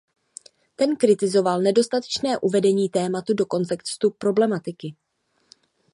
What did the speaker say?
Ten kritizoval nedostatečné uvedení tématu do kontextu problematiky.